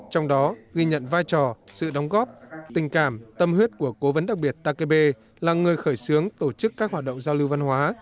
trong đó ghi nhận vai trò sự đóng góp tình cảm tâm huyết của cố vấn đặc biệt takebe là người khởi xướng tổ chức các hoạt động giao lưu văn hóa